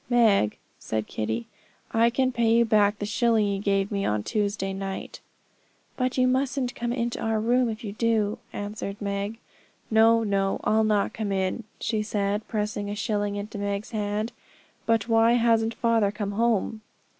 'Meg,' said Kitty, 'I can pay you back the shilling you gave me on Tuesday night.' 'But you mustn't come into our room, if you do,' answered Meg. 'No, no, I'll not come in,' said she, pressing a shilling into Meg's hand. 'But why hasn't father come home?'